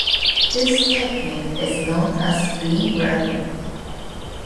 This technique is known as beam riding.